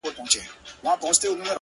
• پر ګودر دي مېلمنې د بلا سترګي,